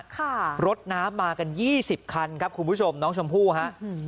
ค่ะรถน้ำมากันยี่สิบคันครับคุณผู้ชมน้องชมพู่ฮะอืม